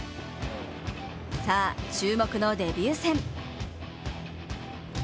さあ、注目のデビュー戦。